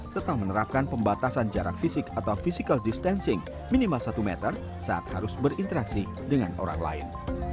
serta menerapkan pembatasan jarak fisik atau physical distancing minimal satu meter saat harus berinteraksi dengan orang lain